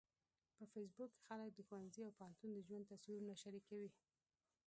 په فېسبوک کې خلک د ښوونځي او پوهنتون د ژوند تصویرونه شریکوي